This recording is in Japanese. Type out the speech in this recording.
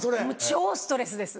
超ストレスです。